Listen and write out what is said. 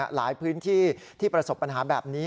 หลายพื้นที่ที่ประสบปัญหาแบบนี้